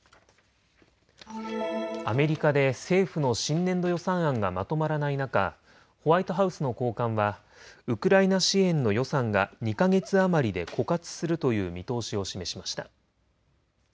アメリカで政府の新年度予算案がまとまらない中、ホワイトハウスの高官はウクライナ支援の予算が２か月余りで枯渇するという見通しを示しました。